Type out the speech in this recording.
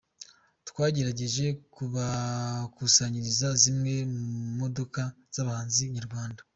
Twagerageje kubakusanyiriza zimwe mu modoka z’abahanzi nyarwanda.